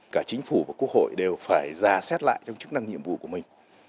cả chính phủ và quốc hội đều phải ra xét lại trong chức năng nhiệm vụ của mình